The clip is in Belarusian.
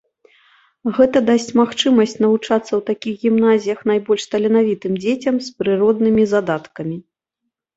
Гэта дасць магчымасць навучацца ў такіх гімназіях найбольш таленавітым дзецям з прыроднымі задаткамі.